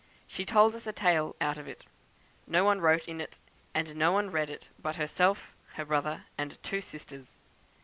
She told us a tale out of it. No one wrote in it, and no one read it, but herself, her brother, and two sisters.